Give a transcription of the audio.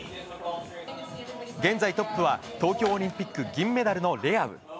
現在トップは東京オリンピック銀メダルのレアウ。